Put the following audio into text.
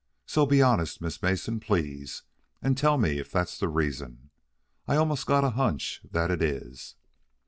So be honest, Miss Mason, please, and tell me if that's the reason I almost got a hunch that it is."